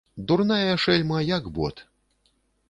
Дурная шэльма, як бот.